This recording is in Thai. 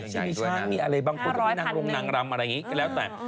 มีช้างนี้บางคนก็รู้นางรมร่ำอะไรแหล้วแต่